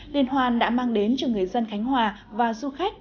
liên hoan đã mang đến cho người dân khánh hòa và du khách